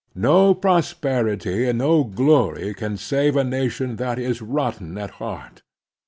No prosperity and no glory can save a nation that is rotten at heart.